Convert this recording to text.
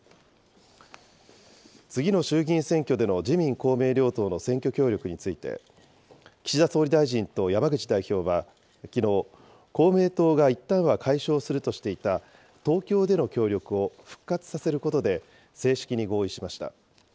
次の衆議院選挙での自民、公明両党の選挙協力について、岸田総理大臣と山口代表はきのう、公明党がいったんは解消するとしていた東京での協力を復活させることで正式に合意しました。